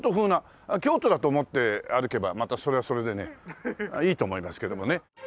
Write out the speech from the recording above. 京都だと思って歩けばまたそれはそれでねいいと思いますけどもね。